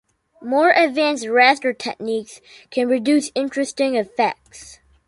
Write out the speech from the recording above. More advanced raster techniques can produce interesting effects.